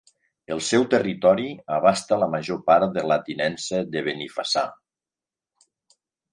El seu territori abasta la major part de la Tinença de Benifassà.